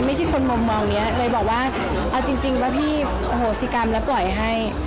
ไม่ใช่คนมุมมองนี้เลยบอกว่าเอาจริงว่าพี่โหสิกรรมแล้วปล่อยให้